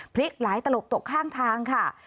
พลิกหลายตลบตกข้างทางค่ะ